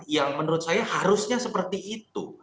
yang menurut saya harusnya seperti itu